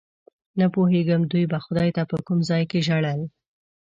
نه پوهېږم دوی به خدای ته په کوم ځای کې ژړل.